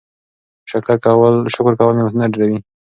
شکر کول نعمتونه ډیروي.